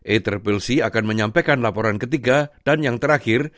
accc akan menyampaikan laporan ketiga dan yang terakhir